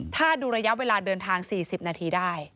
ถ้าดูระยะเวลาเดินทาง๔๐นาทีได้